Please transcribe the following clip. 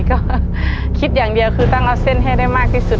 ก็คิดอย่างเดียวคือตั้งเอาเส้นให้ได้มากที่สุด